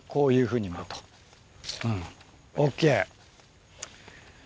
うんＯＫ。